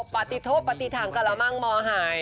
ปฏิโทษปฏิถังกระมั่งมหาย